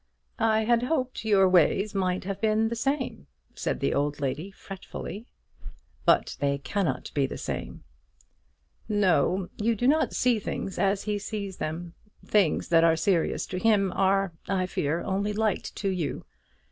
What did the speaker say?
"I had hoped your ways might have been the same," said the old lady, fretfully. "But they cannot be the same." "No; you do not see things as he sees them. Things that are serious to him are, I fear, only light to you.